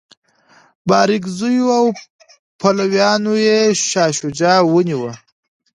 بارکزیو او پلویانو یې شاه شجاع ونیوه.